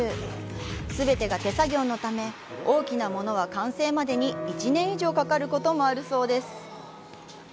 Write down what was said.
すべてが手作業のため大きなものは完成までに１年以上かかることもあるそうです。